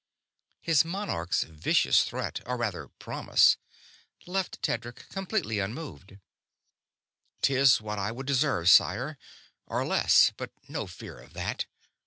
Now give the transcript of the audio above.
His monarch's vicious threat or rather, promise left Tedric completely unmoved. "'Tis what I would deserve, sire, or less; but no fear of that.